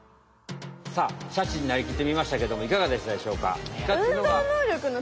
さあシャチになりきってみましたけどもいかがでしたでしょうか？